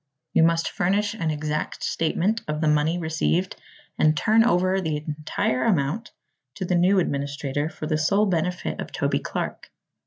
You must furnish an exact statement of the money received and turn over the entire amount to the new administrator, for the sole benefit of Toby Clark.